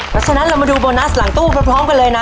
เพราะฉะนั้นเรามาดูโบนัสหลังตู้พร้อมกันเลยนะ